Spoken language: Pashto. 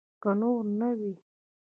که نور نه وي.